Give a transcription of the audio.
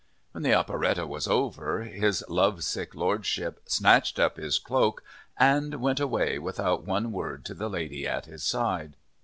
When the operette was over, his lovesick Lordship snatched up his cloak and went away without one word to the lady at his side.